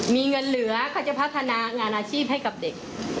มีเงินเหลือเขาจะพัฒนางานอาชีพให้กับเด็ก